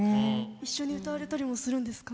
一緒に歌われたりもするんですか？